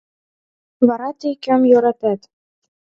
Вара тый кӧм йӧратет?